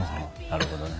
なるほどね。